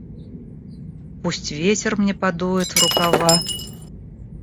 Пусть ветер мне подует в рукава.